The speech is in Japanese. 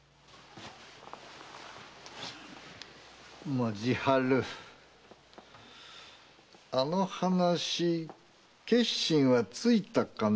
文字春あの話決心はついたかな？